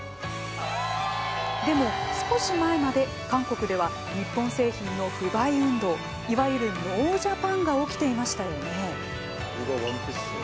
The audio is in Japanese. でも少し前まで韓国では日本製品の不買運動いわゆるノージャパンが起きていましたよね。